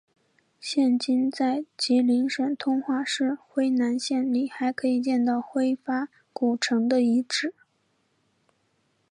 现今在吉林省通化市辉南县里还可以见到辉发古城的遗址。